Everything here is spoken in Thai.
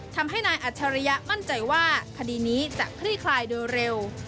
ทำให้นายอัจฉริยะมั่นใจว่าคดีนี้จะคลี่คลายโดยเร็ว